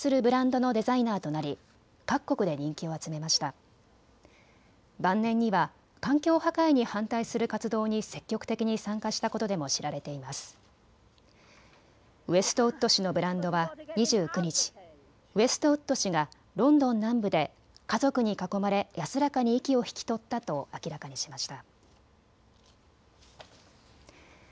ウエストウッド氏のブランドは２９日、ウエストウッド氏がロンドン南部で家族に囲まれ安らかに息を引き取ったと明らかにしました。